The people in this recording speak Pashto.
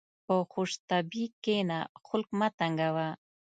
په خوشطبعي کښېنه، خلق مه تنګوه.